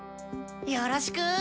よろしく。